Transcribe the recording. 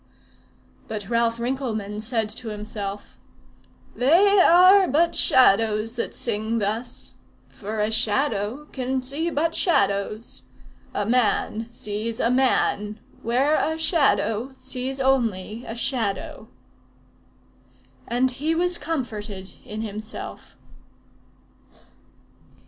But Ralph Rinkelmann said to himself, "They are but Shadows that sing thus; for a Shadow can see but Shadows. A man sees a man where a Shadow sees only a Shadow." And he was comforted in himself.